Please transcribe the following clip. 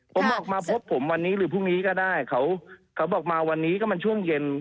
ผมออกมาพบผมวันนี้หรือพรุ่งนี้ก็ได้เขาเขาบอกมาวันนี้ก็มันช่วงเย็น